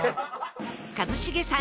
一茂さん